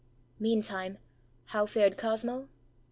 Meantime, how fared Cosmo?